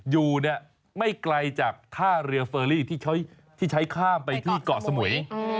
อยู่เนี่ยไม่ไกลจากท่าเรือเฟอรี่ที่ใช้ข้ามไปที่เกาะสมุย